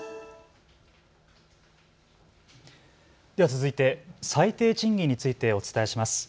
続いて最低賃金についてお伝えします。